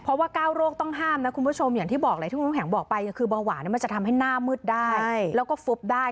เพราะว่า๙โรคต้องห้ามนะคุณผู้ชมอย่างที่บอกเลยที่คุณน้ำแข็งบอกไปคือเบาหวานมันจะทำให้หน้ามืดได้แล้วก็ฟุบได้